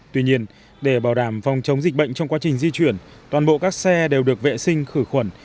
tuy nhiên để bảo đảm phòng chống dịch bệnh trong quá trình di chuyển toàn bộ các xe đều được vệ sinh khử khuẩn